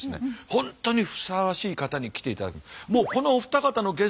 本当にふさわしい方に来ていただき。